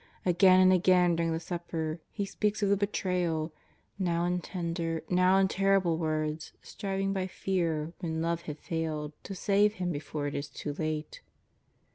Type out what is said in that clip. Again and again during the supper He speaks of the betrayal, now in tender, now in terrible words, striving by fear when love had failed to save him before it is too late.